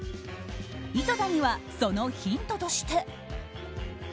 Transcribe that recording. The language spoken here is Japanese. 井戸田にはそのヒントとして。